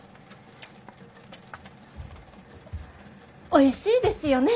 おいしいですよね？